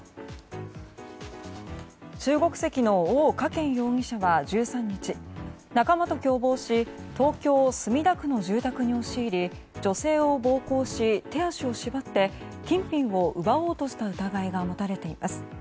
中国籍のオウ・カケン容疑者は１３日仲間と共謀し東京・墨田区の住宅に押し入り女性を暴行し、手足を縛って金品を奪おうとした疑いが持たれています。